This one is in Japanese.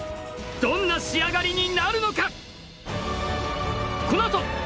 どんな仕上がりになるのか？